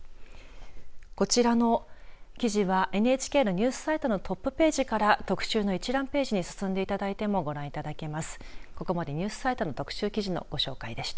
こちらの記事はＮＨＫのニュースサイトのトップページから特集の一覧ページに進んでいただいてもご覧いただけます。